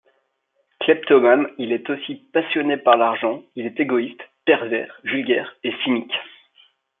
Kleptomane, il est aussi passionné par l'argent, il est égoïste, pervers, vulgaire et cynique.